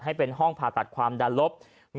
ให้เป็นห้องผ่าตัดความดันลบ